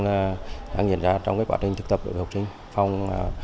đang nhận ra trong cái quá trình thực tập của học sinh phong